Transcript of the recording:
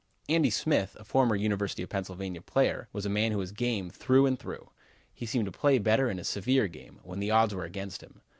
Andy Smith, a former University of Pennsylvania player, was a man who was game through and through. He seemed to play better in a severe game, when the odds were against him.